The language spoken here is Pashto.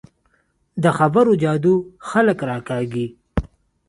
د خبرو جادو خلک راکاږي